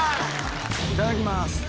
いただきます。